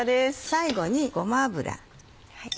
最後にごま油。